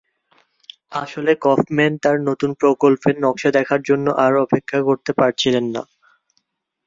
আসলে কফম্যান তার নতুন প্রকল্পের নকশা দেখার জন্য আর অপেক্ষা করতে পারছিলেন না।